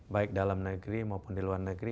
baik dalam negeri maupun di luar negeri